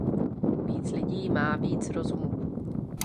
Víc lidí má víc rozumu.